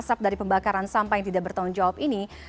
asap dari pembakaran sampah yang tidak bertanggung jawab ini